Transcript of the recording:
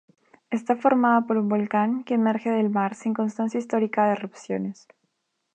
Está formada por un volcán que emerge del mar sin constancia histórica de erupciones.